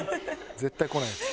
絶対来ないやつ。